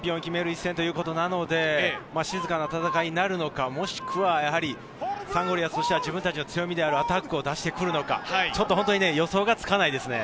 一戦なので静かな戦いになるのか、もしくはサンゴリアスとしては自分達の強みであるアタックを出してくるのか予想がつかないです